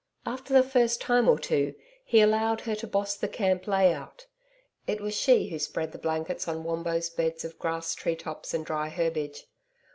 After the first time or two, he allowed her to boss the camp 'lay out.' It was she who spread the blankets on Wombo's beds of grass tree tops and dry herbage.